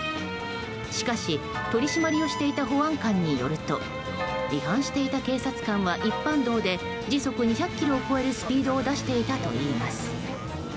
しかし、取り締まりをしていた保安官によると違反していた警察官は一般道で時速２００キロを超えるスピードを出していたといいます。